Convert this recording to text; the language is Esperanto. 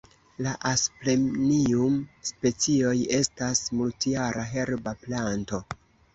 La Asplenium-specioj estas multjara herba planto.